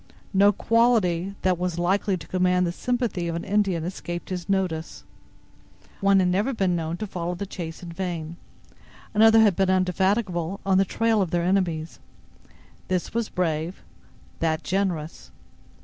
No quality that was likely to command the sympathy of an Indian escaped his notice. One had never been known to follow the chase in vain; another had been indefatigable on the trail of their enemies. This was brave, that generous.